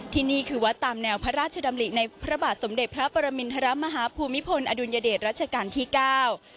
ที่นี่คือวัดตามแนวพระราชดำริในพระบาทสมเด็จพระปรมินทรมาฮภูมิพลอดุลยเดชรัชกาลที่เก้า